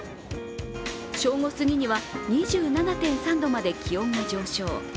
正午すぎには２７．３度まで気温が上昇。